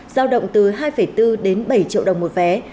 giao động từ hai bốn đến bảy triệu đồng một vé